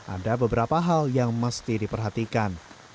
ada beberapa hal yang mesti diperhatikan